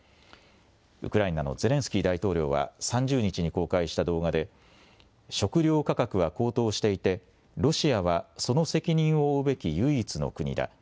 ウクライナのゼレンスキー大統領は、３０日に公開した動画で、食料価格は高騰していて、ロシアはその責任を負うべき唯一の国だ。